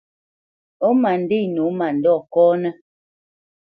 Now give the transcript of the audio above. Ó ma ndê nǒ mandɔ̂ kɔ́nə́.